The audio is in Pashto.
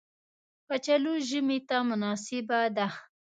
کچالو ژمي ته مناسبه ده